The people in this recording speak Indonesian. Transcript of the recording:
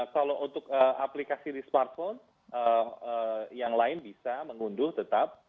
kalau untuk aplikasi di smartphone yang lain bisa mengunduh tetap